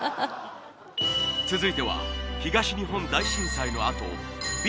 続いては東日本大震災のあとＢ